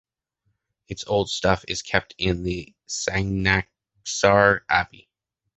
Its old stuff is kept in the Sanaksar Abbey.